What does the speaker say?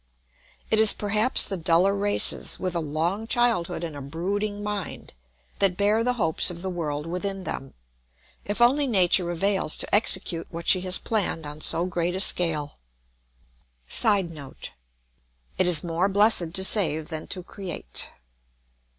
It is perhaps the duller races, with a long childhood and a brooding mind, that bear the hopes of the world within them, if only nature avails to execute what she has planned on so great a scale. [Sidenote: It is more blessed to save than to create.